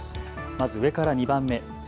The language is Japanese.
まず上から２番目。